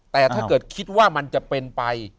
แต่ถ้าเกิดคิดว่ามันจะเป็นไป